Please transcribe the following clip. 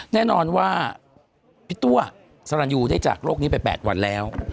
แน่นอนว่าพี่ตัวสรรยูได้จากโลกนี้ไป๘วันแล้ว